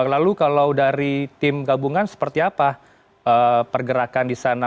lalu kalau dari tim gabungan seperti apa pergerakan di sana